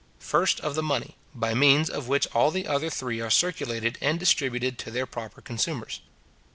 First, of the money, by means of which all the other three are circulated and distributed to their proper consumers.